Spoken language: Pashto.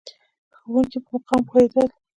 د ښوونکي په مقام پوهېدل.